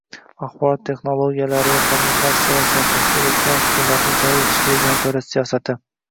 axborot texnologiyalari va kommunikatsiyalar sohasida, "elektron hukumat"ni joriy etishda yagona davlat siyosati